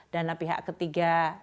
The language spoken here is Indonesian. dana pihak ketiga